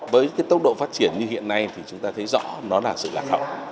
với tốc độ phát triển như hiện nay thì chúng ta thấy rõ nó là sự lạc hậu